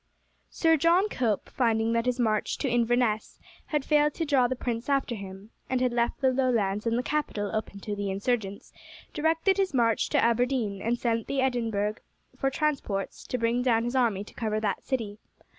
Sir John Cope, finding that his march to Inverness had failed to draw the prince after him, and had left the Lowlands and the capital open to the insurgents, directed his march to Aberdeen, and sent to Edinburgh for transports to bring down his army to cover that city.